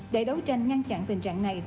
để đấu tranh ngăn chặn tình trạng này